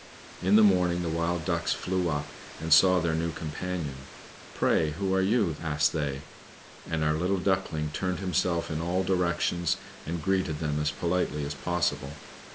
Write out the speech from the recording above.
In the morning the Wild Ducks flew up, and saw their new companion. "Pray who are you?" asked they; and our little Duckling turned himself in all directions, and greeted them as politely as possible.